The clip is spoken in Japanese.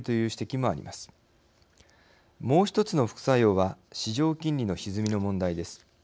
もう１つの副作用は市場金利のひずみの問題です。